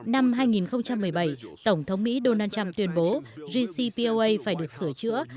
năm hai nghìn một mươi bảy tổng thống mỹ donald trump tuyên bố gcpoa phải được sửa chữa